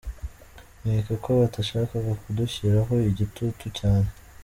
Nkeka ko batashakaga kudushyiraho igitutu cyane.